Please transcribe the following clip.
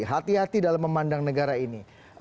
hati hati dalam memandang negara ini